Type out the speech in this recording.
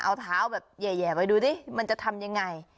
เอาเท้าแบบแห่ไปดูดิมันจะทำยังไง